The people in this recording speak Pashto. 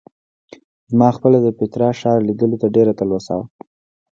زما خپله د پېټرا ښار لیدلو ته ډېره تلوسه وه.